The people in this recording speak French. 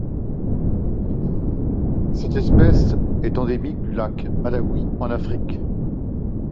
Cette espèce est endémique du lac Malawi en Afrique.